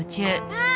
ああ。